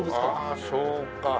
ああそうか。